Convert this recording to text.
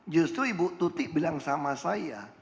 justru ibu tuti bilang sama saya